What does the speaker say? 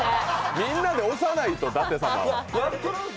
みんなで押さないと、だて様を。